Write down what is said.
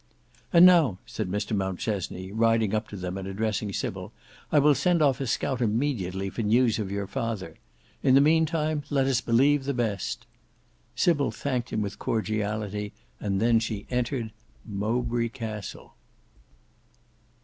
"And now," said Mr Mountchesney, riding up to them and addressing Sybil, "I will send off a scout immediately for news of your father. In the mean time let us believe the best!" Sybil thanked him with cordiality, and then she entered—Mowbray Castle.